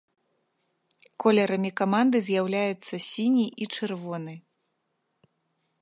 Колерамі каманды з'яўляюцца сіні і чырвоны.